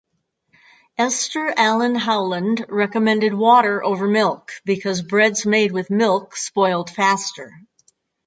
Esther Allen Howland recommended water over milk because breads made with milk spoiled faster.